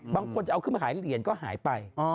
บางคนจะเอาขึ้นมาหายเหรียญก็หายไป